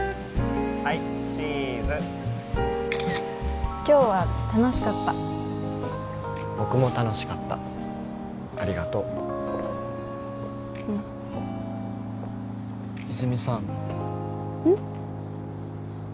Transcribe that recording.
はいチーズ今日は楽しかった僕も楽しかったありがとううん泉さんうん？